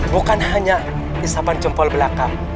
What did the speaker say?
bukan hanya isapan jempol belakang